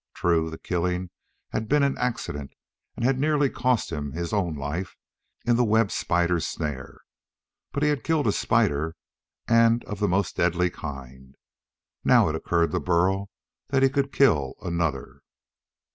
True, the killing had been an accident and had nearly cost him his own life in the web spider's snare. But he had killed a spider and of the most deadly kind. Now it occurred to Burl that he could kill another.